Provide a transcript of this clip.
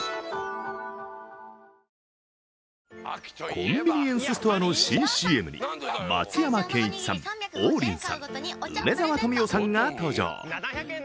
コンビニエンスストアの新ＣＭに松山ケンイチさん、王林さん、梅沢富美男さんが登場。